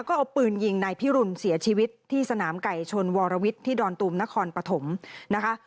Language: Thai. ก็เอาปืนยิงนายพิรุณเสียชีวิตที่สนามไก่ชนวรวิทย์ที่ดอนตูมนครปฐมนะคะ